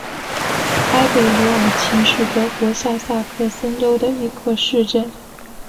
埃贝罗尔岑是德国下萨克森州的一个市镇。